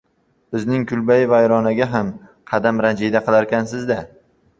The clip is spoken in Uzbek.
Bizning kulbai vayronaga ham qadam ranjida qilarkansiz-da?